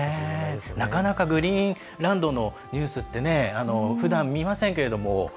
なかなか、グリーンランドのニュースってねふだん見ませんけれども。